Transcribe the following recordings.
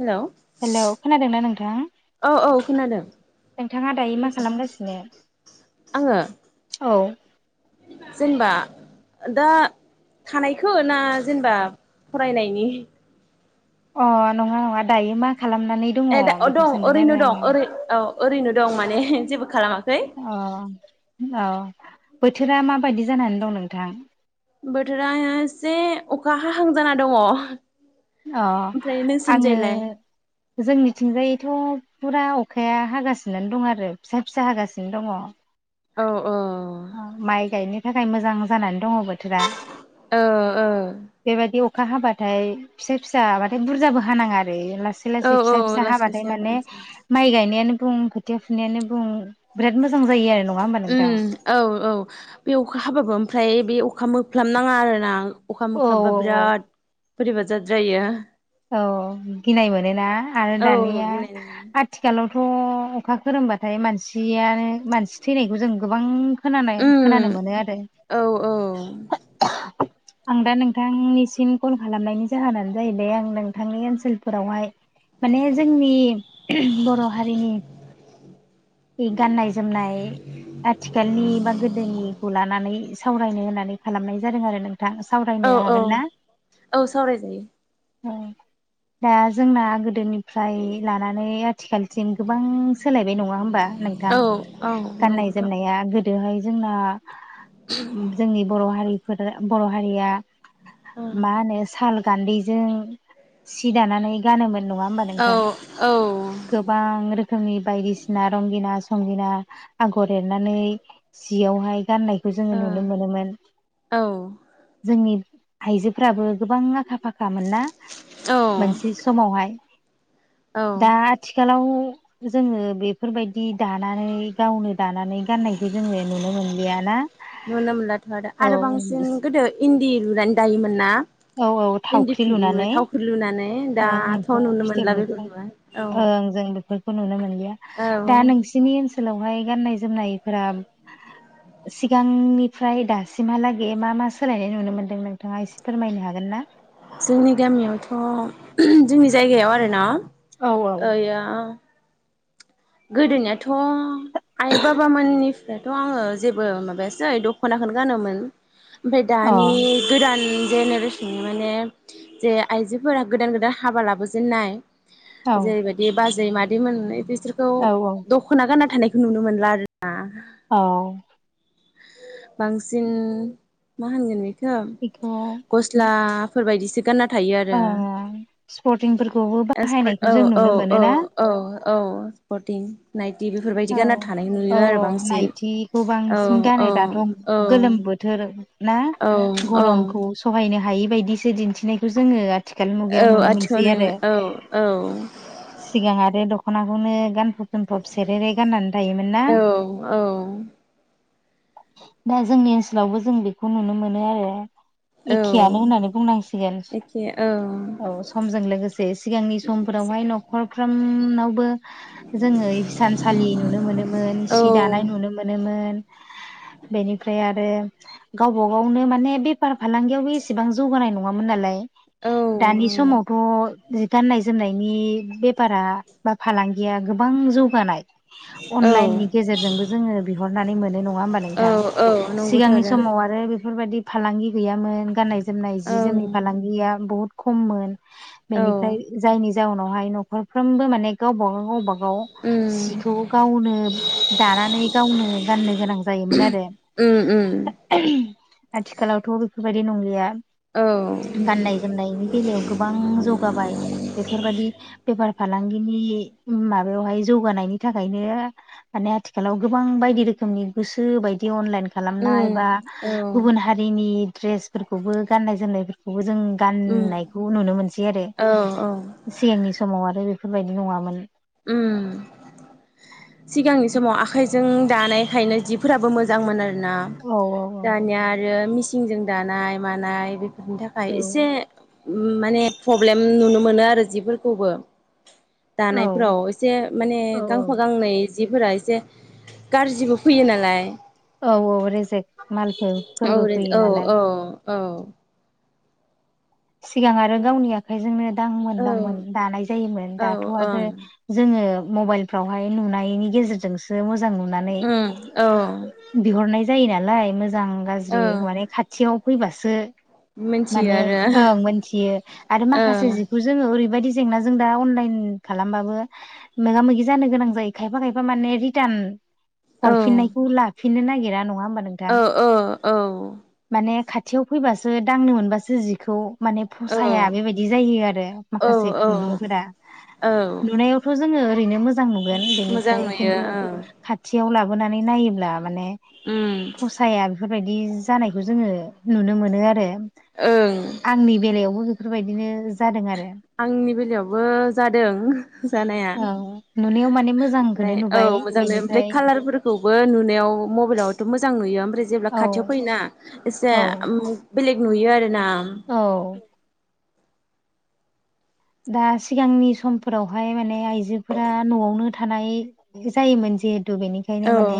Hello हेल' खोनादोंना नोंथाङा। औ औ खोनादों नोंथाङा दायो मा खालामगासिनो? आङो औ। जेनबा दा थानायखो ना जेनेबा फरायनायनि? अ नङा नङा दायो मा खालामनानै दङ ए दा अ बेखौ दं सोंदों आरो ओरैनो आङो दं ओरै औ ओरैनो दं माने जेबो खालामाखै। अ औ बोथोरा माबायदि जानानै दं नोंथां? बोथोरा एसे अखा हाहां जाना दङ'। अ आङो नोंसोरनिजायलाय जोंनिथिंजायैथ' फुरा अखाया हागासिनोनो दं आरो फिसा-फिसा हागासिनो दङ'। औ औ। अ माइ गायनो थाखाय मोजां जानानै दङ बोथोरा। ओ ओ। बेबादि अखा हाब्लाथाय फिसा-फिसा हाबाथाय बुरजाबो हानाङा आरो लासै औ लासै-लासै औ फिसा-फिसा लासै लासै हाबाथाय हाबा माने मोजां माइ गायनायानो बुं खोथिया फुनायानो बुं बिराद मोजां जायो आरो नङा होमबा नोंथां। उम औ औ बे अखा हाबाबो ओमफ्राय बे अखा मोफ्लाम नाङा आरोना। अखा औ मोख्लामबा बिराद बोरैबा जाद्रायो। औ गिनाय मोनोना आरो औ दानिया गिनायनाय मोनो आथ आथिखालावथ' अखा खोरोमबाथाय मानसियानो मानसि थैनायखौ जों गोबां खोनानाय खोनानो उम मोनो आरो औ औ [inaudible] आं दा नोंथांनिसिम कल खालामनायनि जाहोनानो जाहैबाय आं नोंथांनि ओनसोलफोरावहाय माने जोंनि बर' हारिनि नि गाननाय-जोमनाय आथिखालनि बा गोदोनिखौ लानानै सावरायनो होननानै खालामनाय जादों आरो नों थां सावरायनो औ औ हागोन ना? औ सावरायजायो ओ दा जोंना गोदोनिफ्राय लानानै आथिखालसिम गोबां सोलायबाय नङा होमबा नों नोंथां औ औ गाननाय नंगौथ' औ जोमनाया गो बेहाय जोंना जोंनि बर' हारिफोर बर' हारिया मा होनो साल गान्दैजों सि दानानै गानोमोन नङा ओमबा औ नोंथां? ओ औ गोबां रोखोमनि बायदिसिना रंगिना संगिना आगर एरनानै जियावहाय गाननायखौ जोङो नुनो मोनोमोन। औ जोंनि आइजोफ्राबो गोबां आखा फाखामोन। मानोना मोनसे समावहाय औ दा आथिखालाव जोङो बेफोरबायदि दानानै गावनो दानानै गाननायखौ जोङो नुनो मोनलियाना? नुनो मोनलाथ' आरो आरो बांसिन गोदो इन्दि लुनानै दायोमोन ना? औ औ इन्दि थावख्रि खुन्दुं लुनानै थावख्रि लुनानै ओ दाथ' एम्फौ नुनो मोनला फिथोबनिफ्राय बेफोरखौहाय औ ओं जों बेफोरखौ नुनो मोनलिया औ दा नोंसि जोंनि ओनसोलावहाय गाननाय जोमनायफोरा सिगांनिफ्राय दासिमहालागै मा मा सोलायनाय नुनो मोनदों नोंथाङा एसे फोरमायनो हागोन ना? जोंनि गामियावथ' जोंनि जायगायाव आरोना औ औ ओयो गोदोनियाथ' आइ बाबामोननि दाथ' आङो जेबो माबायासै दख'नाखोनो गानोमोन ओमफाय अ दानि औ गोदान जेनेरेसननि माने जे आइजोफोरा गोदान गोदान हाबा लाबोजेननाय जेरैबायदि बाजै मादै मोनै बिसोर औ औ दखना गानना थानायखौ नुनो मोनला आरोना। औ बांसिन मा होनगोन बेखौ बेखौ गस्लाफोर बायदिसो गानना थायो ओ आरो स्पर्टिंफोरखौबो बाहायनायखौ औ जों औ नुनो औ मोनोना औ औ फरटिन नाइटि बेफोरबायदि औ गानना थानाय औ नुयो आरो औ बांसिन नाइटिखौ औ बांसिन गानो औ दाथ' औ गोलोम बोथोर ना औ औ गरखौ सहायनो हायि बायदिसो दिन्थिनायखौ जोङो आथिखाल मुगायाव औ नुनो मोनसै आथिखालाव आरो। औ औ सिगां आरो दखनाखौनो गानफब जोमफब सेरेरे गाननानै थायोमोन ना? औ औ दा जोंनि ओनसोलावबो जों बेखौ नुनो मोनो आरो। औ एखेयानो होननानै बुंनांसिगोन एखे औ औ समजों लोगोसे सिगांनि समफोरावहाय नखरफ्रामनावबो जोङो हिनसालि नुनो मोनोमोन औ सि दानाय नुनो मोनोमोन। बेनिफ्राय आरो गावबा गावनो माने बेफार फालांगियावबो एसेबां जौगानाय नङामोन नालाय। औ दानि समावथ' जि गाननाय जोमनायनि बेफारा बा फालांगिया गोबां जौगानाय। अनलाइननि गेजेरजोंबो जोङो बिहरनानै मोनो नङा ओमबा औ नोंथां? औ नंगौथ' सिगांनि समाव आरो बेफोरबायदि फालांगि गैयामोन गाननाय जोमनाय जि ओं जोमनि फालांगिया बुहुद खममोन औ बेनिफ्राय जायनि जाउनावहाय नखरफ्रोमबो माने गावबा-गाव गावबा-गाव उम सिखौ गावनो दानानै गावनो गाननो गोनां जायोमोन आरो। उम उम [unintelligible] आथिखालावथ' बेफोरबायदि नंलिया औ। गाननाय जोमनायनि बेलायाव गोबां जौगाबाय बेफोरबादि बेफार फालांगिनि माबायावहाय जौगानायनि थाखायनो माने आथिखालाव गोबां बायदि रोखोमनि गोसो बायदि अनलाइन खालामनायाव उम बा औ गुबुन हारिनि द्रेसफोरखौबो गाननाय-जोमनायफोरखौबो जों उम गाननाय बेखौ नुनो मोनसै आरो। औ औ। सिगांनि समाव आरो बेफोरबायदि नङामोन। सिगांनि समाव आखाइजों दानायखायनो जि फोराबो मोजांमोन आरोना औ दानिया आरो मिसिनजों दानाय मानाय बेनि थाखाय एसे माने प्रब्लेम नुनो मोनो आरो जिफोरखौबो औ दानाय फोराव एसे माने औ गांफा गांनै जिफोरा एसे गाज्रिबो फैयो नालाय औ औ रेजेक मालफोर औ फोरबो फैयो औ नालाय औ औ। सिगां आरो गावनि आखाइजोंनो दांमोन दांमोन दानाय जायोमोन औ दाथ' आरो। ओं जोङो मबाइलफ्रावहाय नुनायनि गेजेरजोंसो मोजां नुनानै उम औ बिहरनाय जायो नालाय मोजां गाज्रि औ माने खाथियाव फैबासो मिथियो माने आरो। ओं मोनथियो आरो माखासे बेखौ जोङो ओरैबायदि जेंना जों दा अनलाइन खालामबाबो मोगा मोगि जानो गोनां जायो खायफा खायफा माने रिटार्न ओ हरफिननायखौ लाफिननो नागिरा नङा होमबा नोंथां। औ औ माने खाथियाव फैबासो दांनो मोनबासो जिखौ माने औ फसाया बेबादि बिदि जायो आरो औ माखासे औ खुन्दुंफोरा औ लुनायावथ' जोङो ओरैनो मोजां। मोजां नुगोन मोजां बेनिफ्राय नुयो खिन्थु ओं खाथियाव लाबोनानै नायोब्ला माने उम। साया बेफोरबायदि जानायखौ जोङो नुनो मोनो आरो। ओं। आंनि बेलायावबो बेफोर बादिनो जादों आरो। आंनि बेलायावबो जादों। जानाया औ नुनायाव माने मोजांखौनो ओमफ्राय औ नुबाय मोजांनो ओमफ्राय बेनिफ्राय कालारफोरखौ। खौबो नुनायाव मबाइलावथ' मोजां नुयो ओमफ्राय जेब्ला औ खाथियाव फैयोना एसे औ बेलेग नुयो आरो ना औ। दा सिगांनि समफोरावहाय माने आइजोफोरा न'आवनो थानाय जायोमोन जिहेथु बेनिखायनो औ माने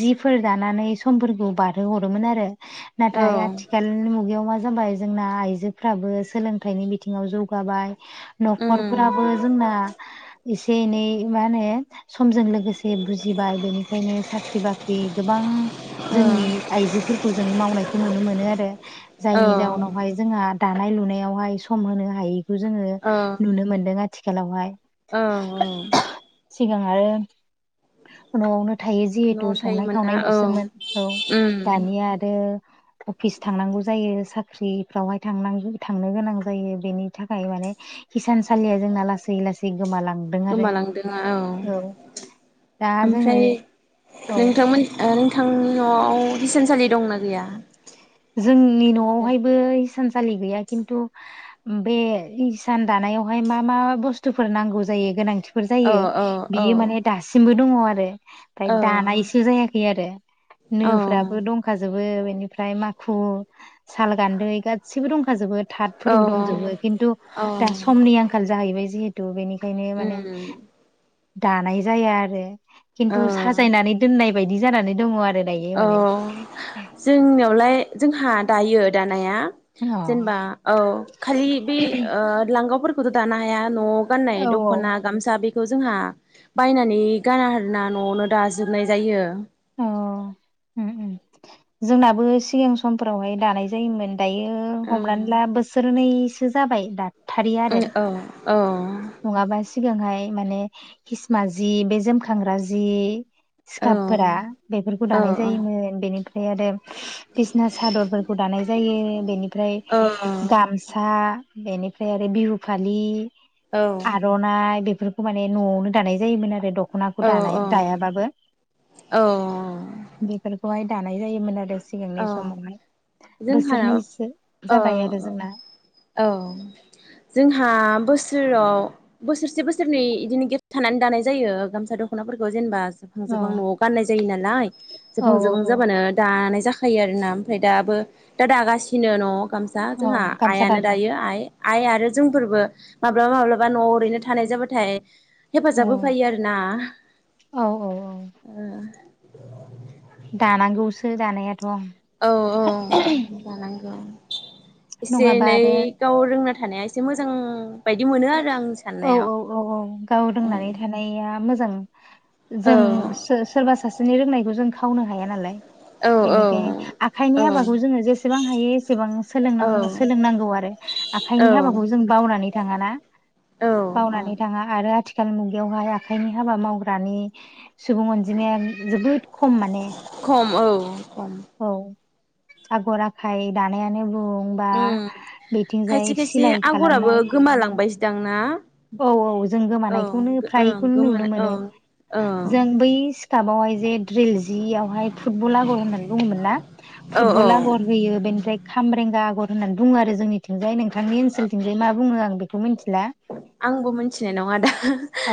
जिफोर दानानै समफोरखौ बारहो हरोमोन आरो औ नाथाय आथिखाल नि मुगायाव मा जाबाय जोंना आइजोफ्राबो सोलोंथाइनि बिथिङाव जौगाबाय न'खरफोराबो उम जोंना एसे एनै मा समजों लोगोसे बुजिबाय बेनिखायनो साख्रि बाख्रि गोबां औ जोंनि आइजोफोरखौ जों मावनायखौ नुनो मोनो आरो औ जायनि जाउनावहाय जोंहा द दानाय लुनायावहाय सम होनो हायैखौ जोङो नुनो मोन्दों आथिखालावहाय औ औ। सिगां आरो न'आवनो थायो जिहेतु न'आवनो संनाय थायोमोन ना औ खावनायल'सोमोन औ उम दानिया आरो। अफिस थांनांगौ जायो साख्रिफ्रावहाय थांनांग थांनो गोनां जायो बेनि थाखाय माने हिसानसालिया जोंना लासै लासै गोमालांदों। आरो गोमालांदों औ दा जोङो ओमफ्राय औ नोंथांमोन नोंथांनि न'आव हसानसालि दंना गैया? जोंनि न'आवहायबो हिसानसालि गैया खिन्थु बे इसान दानायावहाय मा मा बुस्थुफोर नांगौ जायो गोनांथि फोर औ जायो औ औ बियो माने दासो थिंबो दङ आरो औ दानाय जायाखै आरो औ नोफ्राबो दंखाजोबो बेनिफ्राय माखु साल गान्दै गासिबो दंखाजोबो थाथ औ फोरबो दंजोबो खिन्थु दा उम समनि आंखाल आंखाल जाहैबाय जिहेथु बेनिखायनो माने दानाय जाया आरो। औ खिन्थु साजायनानै दोननाय बायदि जानानै दङ आरो। दायो औ माने जोंनियावलाय जोंहा दायो दानाया। अ जेनेबा औ औ खालि बे ओ लांगावफोरखौथ' दानो हाया न'आव। गाननाय औ दख'ना गामसा बेखौ जोंहा बायनानै गाना हना न'आवनो दाजोबनाय जायो। अ उम उम जोंनाबो सिगां समफोरावहाय दानाय जायोमोन। दायो ओं हमनानै ला बोसोरनैसो जाबाय दा उम औ औ नङाबा सिगांहाय माने खिसमा जि बे जोमखांग्रा जि औ सिखाब फोर बेफोरखौ औ दानाय जायोमोन बेनिफ्राय ओम आरो बिसिना सादरफोरखौ दानाय जायो बेनिफ्राय औ गाम सा बेनिफ्राय आरो बिहु फालि औ आर' नाय बेफोरखौ माने न'आवनो दानाय जायोमोन आरो। दख'नाखौ दानाय औ दायाबाबो औ औ बेफोरखौहाय दानाय जायोमोन आरो। सिगांनि औ समावहाय जोंहानाव बोसोरनैसो औ जाबाय आरो औ जोंना। औ जोंहा बोसोराव बोसोरसे बोसोरनै बिदिनो गेब थानानै दानाय जायो गामसा दख'नाफोरखौ जेनेबा जोबहां औ जोबहां न'आव गाननाय जायो नालाय औ जोबहां जोबहां औ जाबानो दानाय जाखा ाखायो आरोना ओमफ्राय दाबो दा दागासिनो न' गामसा औ जोंहा गामसा आइयानो दादों दायो आइ। आइ आरो जोंफोरबो माब्लाबा माब्लाबा न'आव ओरैनो थानाय जाबाथाय औ हेफाजाब होफायो आर ना औ औ औ ओ दानांगौसो दानायाथ'। औ औ जानांगौ एसे नङाबा एनै आरो गाव रोंना थानाया एसे मोजां बायदि मोनो आरो आं औ साननायाव औ औ औ गाव उम दोंनानै थानाया मोजां। जों औ सोरबा सासेनि रोंनायखौ जों खावनो हाया नालाय। औ औ बेनिखायनो आखाइनि हाबाखौ जोङो जेसेबां हायो एसेबां सों औ सोलोंनांगौ आरो। औ आखाइनि हाबाखौ जों बावनानै थाङाना? औ बावनानै थाङा आरो आथिखाल मुगायावहाय आखाइनि हाबा मावग्रानि सुबुं अनजिमाया जोबोद खम माने। खम औ खम औ आगर आखाय दानायानो बुं बा उम खायसे बिथिंजाय खायसे सिलाय आगराबो खालामनाय गोमालांबायसोदां ना? औ औ जों औ गोमानायखौनो ओं फ्रायखौनो गोमानो नुनो मोनो। औ औ जों बै सिख्लााबावहाय जे द्रिल जिवहाय फुटबल आगर होननानै बुङोमोन ना। औ फुटबल औ आगर होयो बेनिफ्राय खामरेंगा आगर होननानै बुङो आरो जोंनिथिंजाय नोंथांनि ओनसोलथिं मा बुङो आं बेखौ मिथिला। आंबो मिथिनाय नङा दा अ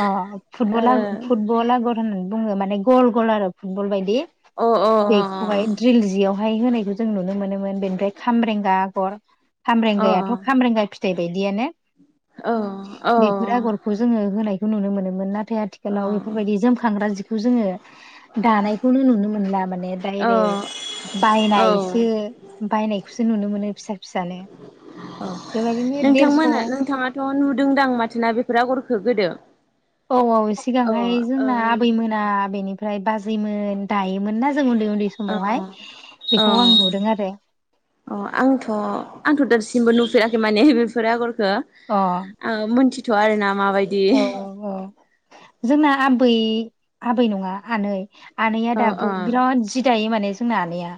फुटला फुटबल आगर होननानै बुङो माने गल गल आरो फुटबल बायदि ओ अ अ बेखौहाय द्रिल जियाव बेहाय होनायखौ जों नुनो मोन बेनिफ्राय खामब्रेंगा आगर अ खामब्रेंगायाथ' खामबेंगा फि बेबायदियानो औ औ खौ जोङो होनायखौ नुनो मोनोमोन नाथाय आथिखालाव बेफोरबायदि जोमखांग्रा जिखौ जोङो दानायखौनो नुनो मोनला माने अ औ दडाइरेक औ बायनाय एसे बायनायखौसो नुनो मोनो फिसा फिसानो बेबायदिनो देरस' नोंथांमोना नोंथाङा थ' नुदोंदां माथोना बेफोर आगरखो गोदो? औ औ अ सिगांहाय जोंना ओ आबैमोन दा बेनिफ्राय बाजैमोन दायोमोन ना जों उन्दै उन्दै सम अ समावहाय अ बेखौ आं नुदों आरो। अ आंथ' आंथ' दासिमबो नुफेराखै माने बेफोर आगरखो अ ओ मिथिथ'या आरो ना माबायदि औ औ औ जोंना आबै आबै नङा आनै आनैया अ दाबो अ बिराद जि दायो माने जोंना आनैया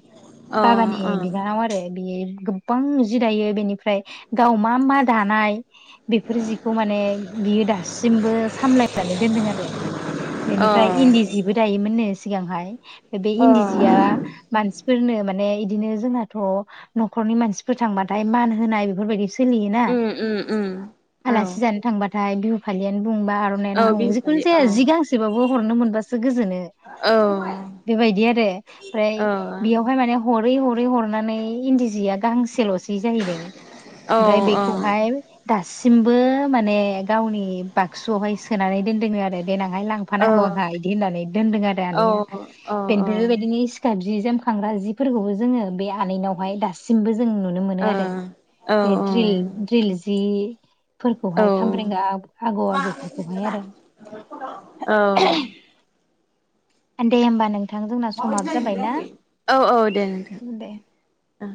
अ बाबानि बिनानाव आरो बे गोबां जि दायो बेनिफ्राय गाव मा मा दानाय बेफोर जिखौ माने बियो दा जेथिंबो सामलायनानै दोनदों आरो अ बेनिफ्राय इन दि जिबो दायोमोननो सिगांहाय बे अ इन्दि जिया मानसिफोरनो माने इदिनो जोंहाथ' न'खरनि मानसिफोर थांबाथाय मान होनाय बेफोरबायदि सोलियोना उम उम उम औ आलासि जानो थांबाथाय बिहु फालियानो बुं बा होननानै औ बुं बिहुफालि जिखुनु औ जाया जि गांसेबाबो हरनो मोनबासो गोजोनो। औ बेबायदि आरो ओमफ्राय औ बेयावहाय माने हरै हरै हरै थांनानै इन्दि जिया गाहांसेल'सै जाहैदों। औ ओमफ्राय बेखौहाय दासिमबो माने गावनि बाक्सुआवहाय सोनानै दोनदोंनो आरो देनांहाय लां फानांगौ आंहा बिदि होननानै दोनदों आरो आनैया औ बेनिफ्राय बेबायदिनो जि जोम खांग्रा जिफोरखौबो जोङो बे आलैनावहाय दासिमबो जों नुनो मोनो आरो। बे द्रिल द्रिल जिफोरखौहाय खामब्रेंगा आगर बेफोरखौहाय आरो औ दे होमबा नोंथां जोंना समाब जाबाय ना औ दे नोंथां उम दे ओ